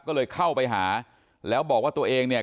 ก็เลยเข้าไปหาแล้วบอกว่าตัวเองเนี่ย